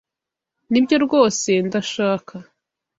Nibyo rwose ndashaka.